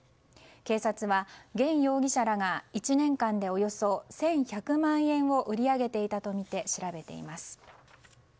警察はゲン容疑者らが１年間でおよそ１１００万円を売り上げていたとみて調べています。